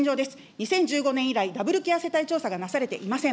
２０１５年以来、ダブルケア世帯調査がなされていません。